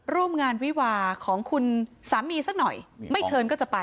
ร่วมงานวิวาของคุณสามีสักหน่อยไม่เชิญก็จะไป